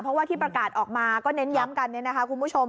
เพราะว่าที่ประกาศออกมาก็เน้นย้ำกันเนี่ยนะคะคุณผู้ชม